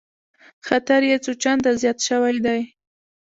خطر یې څو چنده زیات شوی دی